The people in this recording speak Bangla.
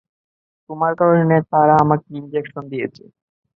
তোমার কারণে তারা আমাকে ইঞ্জেকশন দিয়েছে।